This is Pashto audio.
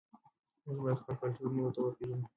موږ باید خپل کلتور نورو ته وپېژنو.